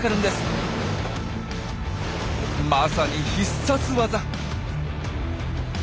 まさに必殺ワザ。